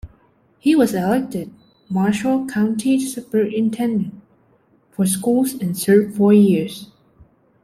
He was elected Marshall County Superintendent of Schools and served four years.